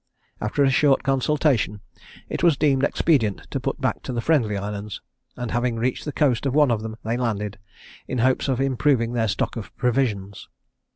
After a short consultation, it was deemed expedient to put back to the Friendly Islands; and having reached the coast of one of them, they landed, in hopes of improving their stock of provisions.